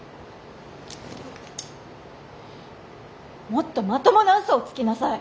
もっとまともな嘘をつきなさい！